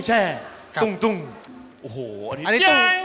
เจ้าดยังจี่แป่วใด